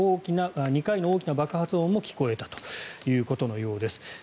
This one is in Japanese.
２回の大きな爆発音も聞こえたということのようです。